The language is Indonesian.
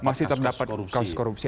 masih terdapat kasus korupsi